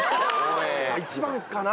１番かな。